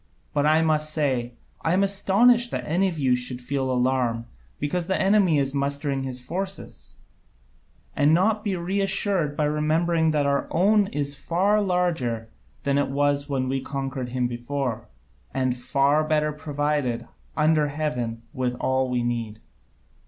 But I must say I am astonished that any of you should feel alarm because the enemy is mustering his forces, and not be reassured by remembering that our own is far larger than it was when we conquered him before, and far better provided, under heaven, with all we need.